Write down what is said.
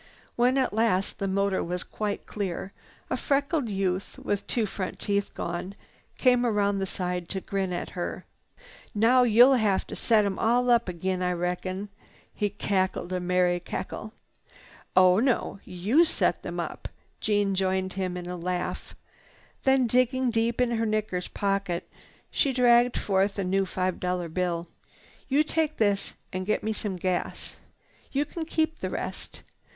When at last the motor was quite clear, a freckled youth, with two front teeth gone, came round the side to grin at her. "Now you'll have t'set 'em all up ag'in, I reckon." He cackled a merry cackle. "Oh no; you set them up." Jeanne joined him in the laugh. Then, digging deep in her knickers pocket, she dragged forth a new five dollar bill. "You take this and get me some gas. You can keep the rest.